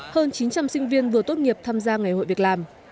hơn chín trăm linh sinh viên vừa tốt nghiệp tham gia ngày hội việc làm